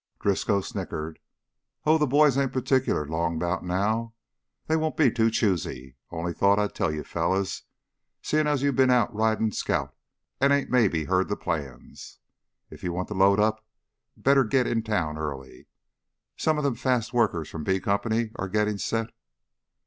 Driscoll snickered. "Oh, the boys ain't particular 'long 'bout now. They won't be too choosy. Only thought I'd tell you fellas, seem' as how you been ridin' scout and ain't maybe heard the plans. If you want to load up, better git into town early. Some of them fast workers from B Company are gittin' set...."